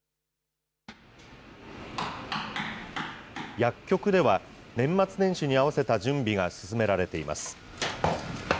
薬局では、年末年始に合わせた準備が進められています。